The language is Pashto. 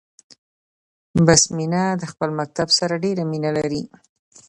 بسمينه د خپل مکتب سره ډيره مينه لري 🏫